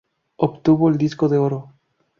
Obtuvo el disco de oro.